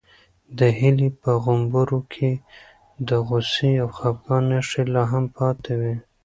د هیلې په غومبورو کې د غوسې او خپګان نښې لا هم پاتې وې.